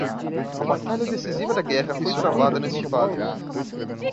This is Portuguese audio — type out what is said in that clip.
A batalha decisiva da guerra foi travada neste vale.